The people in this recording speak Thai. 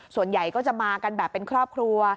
ส่วนใหญ่ก็จะมากันแบบเป็นครอบครัว